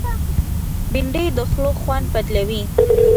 بېنډۍ د خولو خوند بدلوي